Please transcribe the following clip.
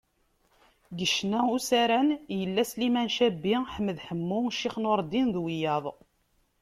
Deg ccna n usaran, yella Sliman Cabbi, Ḥmed Ḥemmu, Ccix Nurdin, d wiyaḍ.